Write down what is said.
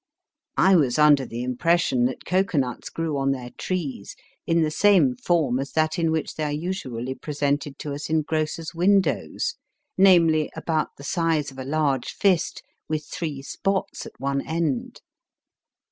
I was under the impression that cocoanuts grew on their trees in the same form as that in which they are usually presented to us in grocers windows namely, about the size of a large fist, with three spots at one end.